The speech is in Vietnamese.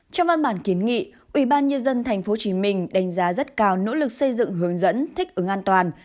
trong văn bản kiến nghị ubnd tp hcm đánh giá rất cao nỗ lực xây dựng hướng dẫn thích ứng an toàn